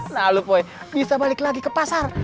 nah lu boy bisa balik lagi ke pasar